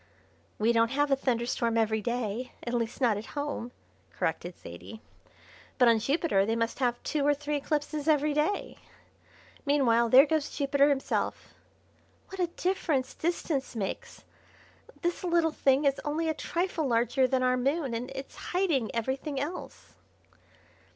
"We don't have a thunderstorm every day at least not at home," corrected Zaidie, "but on Jupiter they must have two or three eclipses every day. Meanwhile, there goes Jupiter himself. What a difference distance makes! This little thing is only a trifle larger than our Moon, and it's hiding everything else."